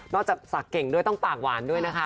จากศักดิ์เก่งด้วยต้องปากหวานด้วยนะคะ